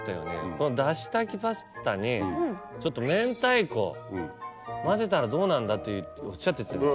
このだし炊きパスタに明太子混ぜたらどうなんだっておっしゃってた。